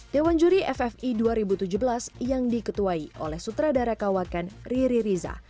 dewan juri ffi dua ribu tujuh belas yang diketuai oleh sutradara kawakan riri riza